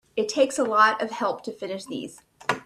It takes a lot of help to finish these.